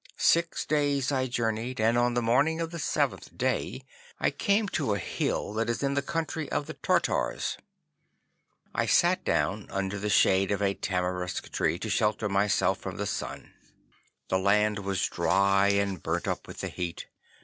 Six days I journeyed, and on the morning of the seventh day I came to a hill that is in the country of the Tartars. I sat down under the shade of a tamarisk tree to shelter myself from the sun. The land was dry and burnt up with the heat.